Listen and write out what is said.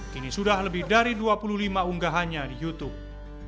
kini sudah lebih dari dua puluh lima unggahannya di youtube